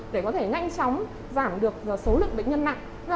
để có thể nhanh chóng giảm được số lượng bệnh nhân nặng